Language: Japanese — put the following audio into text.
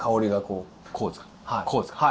こうですか？